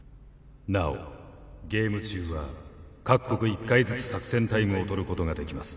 なおゲーム中は各国１回ずつ作戦タイムを取ることができます。